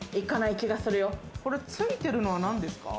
ついてるのは何ですか？